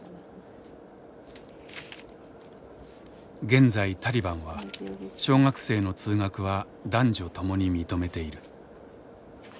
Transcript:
現在タリバンは小学生の通学は男女ともに認めている。